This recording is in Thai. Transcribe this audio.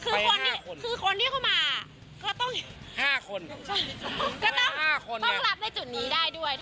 ไป๕คนคือคนที่เขามาก็ต้อง๕คนต้องรับในจุดนี้ได้ด้วย